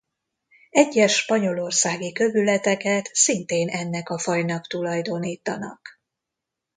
Egyes spanyolországi kövületeket szintén ennek a fajnak tulajdonítanak.